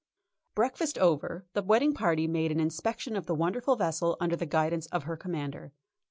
Breakfast over, the wedding party made an inspection of the wonderful vessel under the guidance of her Commander.